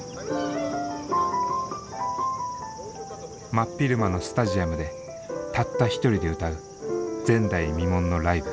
真っ昼間のスタジアムでたった１人で歌う前代未聞のライブ。